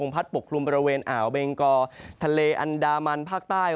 พัดปกคลุมบริเวณอ่าวเบงกอทะเลอันดามันภาคใต้